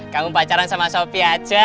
kamu pacaran sama sopi aja